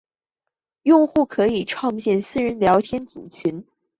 用户可以创建私人聊天群组。